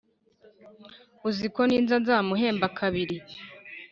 uziko ninza nzamuhemba kabiri